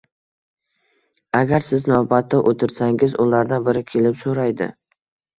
Agar siz navbatda o'tirsangiz, ulardan biri kelib so'raydi